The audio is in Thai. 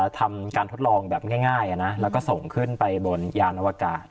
ทำการทดลองแบบง่ายแล้วก็ส่งขึ้นไปบนยานอวกาศ